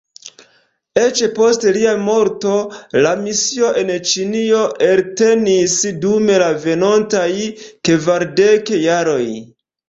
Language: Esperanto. Eĉ post lia morto, la misio en Ĉinio eltenis dum la venontaj kvardek jaroj.